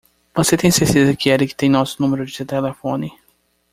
Você tem certeza que Erik tem nosso número de telefone?